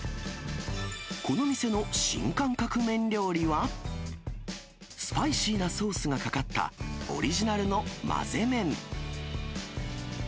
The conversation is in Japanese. この店の新感覚麺料理は、スパイシーなソースがかかったオリジナルの混ぜ麺。